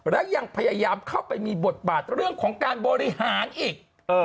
และยังพยายามเข้าไปมีบทบาทเรื่องของการบริหารอีก